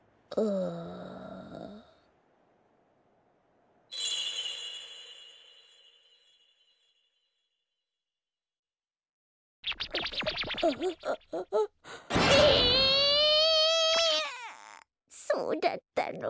ああそうだったの。